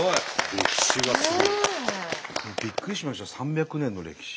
歴史がすごい。びっくりしました３００年の歴史。